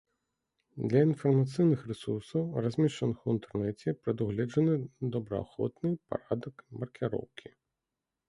Для інфармацыйных рэсурсаў, размешчаных у інтэрнэце, прадугледжаны добраахвотны парадак маркіроўкі.